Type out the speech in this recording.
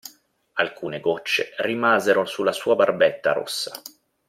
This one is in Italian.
Alcune goccie rimasero sulla sua barbetta rossa.